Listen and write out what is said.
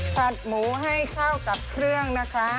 ผัดหมูให้เข้ากับเครื่องนะคะ